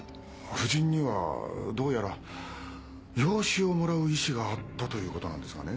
夫人にはどうやら養子をもらう意思があったということなんですがね。